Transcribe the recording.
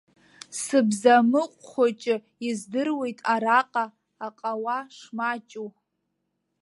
Сыбзамыҟә хәыҷы, издыруеит араҟа аҟауа шмаҷу.